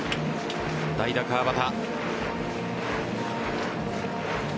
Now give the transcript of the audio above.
代打・川端。